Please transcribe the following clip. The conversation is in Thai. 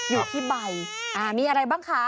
อยู่ที่ใบมีอะไรบ้างคะ